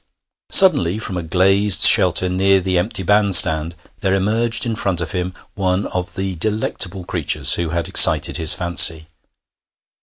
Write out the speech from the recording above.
Suddenly, from a glazed shelter near the empty bandstand, there emerged in front of him one of the delectable creatures who had excited his fancy.